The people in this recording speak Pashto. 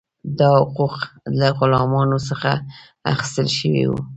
دا حقوق له غلامانو څخه اخیستل شوي وو.